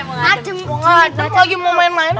mau ngadem lagi mau main main